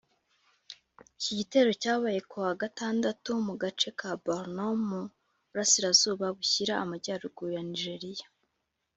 Iki gitero cyabaye kuwa Gatandatu mu gace ka Borno mu Burasirazuba bushyira Amajyaruguru ya Nigeria